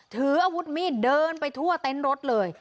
ถืออาวุธมีดเดินไปทั่วเต็นต์รถเลย